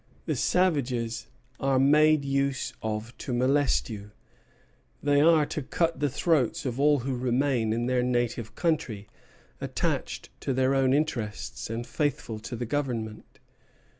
The savages are made use of to molest you; they are to cut the throats of all who remain in their native country, attached to their own interests and faithful to the Government.